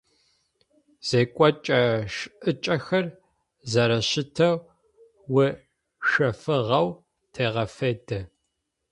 Зекӏокӏэ-шӏыкӏэхэр зэрэщытэу ушъэфыгъэу тэгъэфедэ.